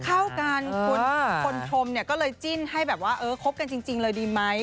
เข้ากันคนชมเนี่ยก็เลยจิ้นให้แบบว่าเออคบกันจริงเลยดีไหม